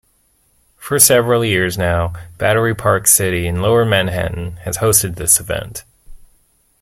For several years now, Battery Park City in lower Manhattan has hosted this event.